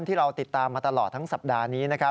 ที่เราติดตามมาตลอดทั้งสัปดาห์นี้